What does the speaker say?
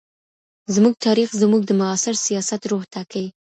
زموږ تاریخ زموږ د معاصر سیاست روح ټاکي.